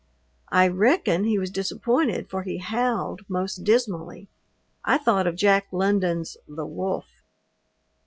I reckon he was disappointed for he howled most dismally. I thought of Jack London's "The Wolf."